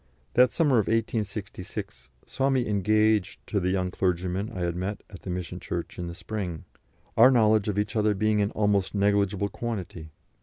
That summer of 1866 saw me engaged to the young clergyman I had met at the mission church in the spring, our knowledge of each other being an almost negligeable quantity.